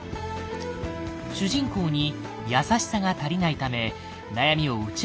主人公に「優しさ」が足りないため悩みを打ち明けてくれない。